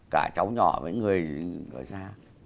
cả cháu nhỏ với những người ở xa